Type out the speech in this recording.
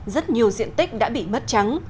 rất nhiều diện tích đã bị mất trắng